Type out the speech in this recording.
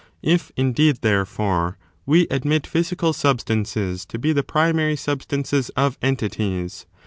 If, indeed, therefore, we admit physical substances to be the primary substances of entities.